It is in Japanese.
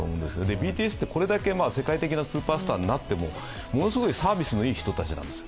ＢＴＳってこれだけ世界的なスーパースターになってもものすごいサービスのいい人たちなんですよ。